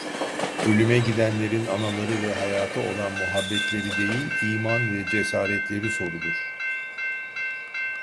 Ölüme gidenlerin anaları ve hayata olan muhabbetleri değil, iman ve cesaretleri sorulur…